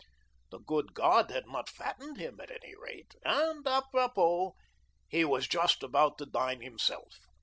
The good God had not fattened him, at any rate, and, apropos, he was just about to dine himself.